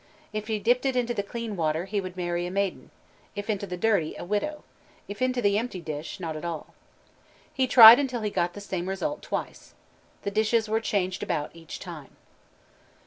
If he dipped it into the clean water, he would marry a maiden; if into the dirty, a widow; if into the empty dish, not at all. He tried until he got the same result twice. The dishes were changed about each time.